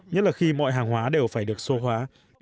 nhất là khi mọi hàng hóa đều phải được sô hóa